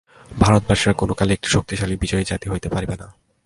ভারতবাসীরা কোনকালেই একটি শক্তিশালী বিজয়ী জাতি হইতে পারিবে না।